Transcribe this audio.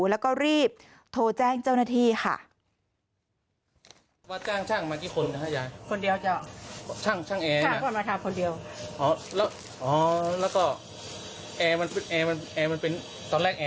แล้วก็รีบโทรแจ้งเจ้าหน้าที่ค่ะ